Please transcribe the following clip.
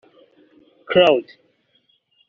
Claude